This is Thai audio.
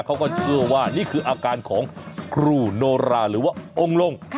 เขาก็เชื่อว่านี่คืออาการของครูโนราหรือว่าองค์ลง